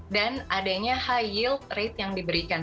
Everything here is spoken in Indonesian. dan adanya high yield rate yang diberikan